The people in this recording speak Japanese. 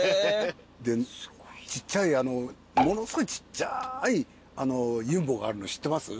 ちっちゃいあのものすごいちっちゃいユンボがあるの知ってます？